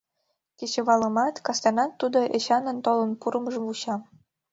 Кечывалымат, кастенат тудо Эчанын толын пурымыжым вуча.